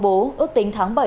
bố ước tính tháng bảy